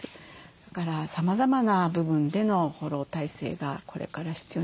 だからさまざまな部分でのフォロー体制がこれから必要になるかと思います。